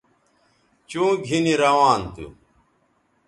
چوں گِھنی روان تھو